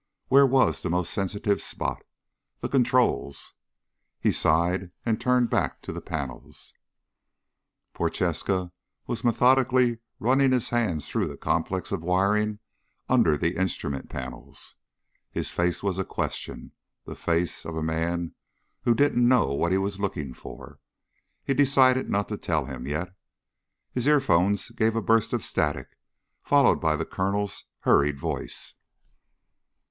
Where was the most sensitive spot? The controls. He sighed and turned back to the panels. Prochaska was methodically running his hands through the complex of wiring under the instrument panels. His face was a question, the face of a man who didn't know what he was looking for. He decided not to tell him ... yet. His earphones gave a burst of static followed by the Colonel's hurried voice.